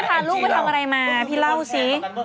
พี่เล่าซิ